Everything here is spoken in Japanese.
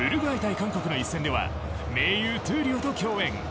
韓国の一戦では盟友・闘莉王と共演。